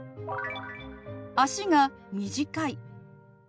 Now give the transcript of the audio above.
「足が短い」。